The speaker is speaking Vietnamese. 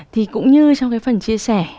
thì cũng như trong cái phần chia sẻ